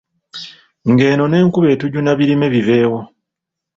Ng’eno n’enkuba etujuna birime bibeewo.